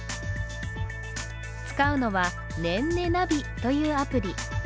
使うのは、ねんねナビというアプリ。